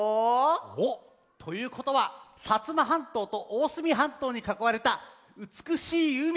おっということは摩半島と大隅半島にかこまれたうつくしいうみ